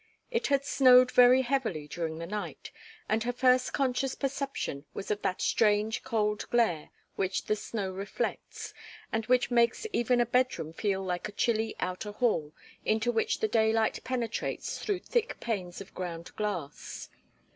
It had snowed very heavily during the night, and her first conscious perception was of that strange, cold glare which the snow reflects, and which makes even a bedroom feel like a chilly outer hall into which the daylight penetrates through thick panes of ground glass.